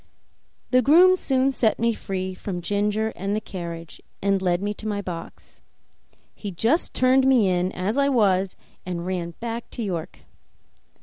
The groom soon set me free from Ginger and the carriage, and led me to my box. He just turned me in as I was and ran back to York.